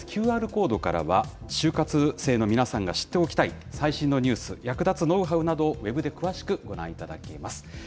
ＱＲコードからは就活生の皆さんが知っておきたい最新のニュース、役立つノウハウなどをウェブで詳しくご覧いただけます。